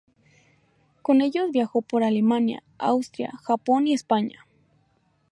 Con ellos viajó por Alemania, Austria, Japón y España.